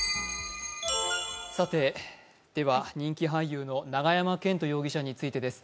人気俳優の永山絢斗容疑者についてです。